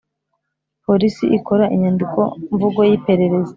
polisi ikora inyandiko mvugo y iperereza